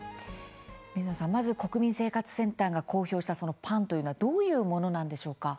水野さん、まず国民生活センターが公表したパンというのはどういうものなんでしょうか。